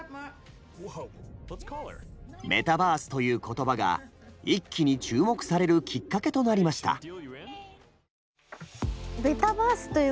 「メタバース」という言葉が一気に注目されるきっかけとなりました。